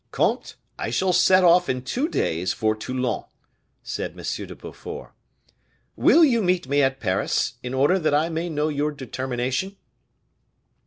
"Comte, I shall set off in two days for Toulon," said M. de Beaufort. "Will you meet me at Paris, in order that I may know your determination?"